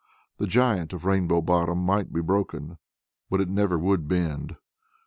The giant of Rainbow Bottom might be broken, but it never would bend.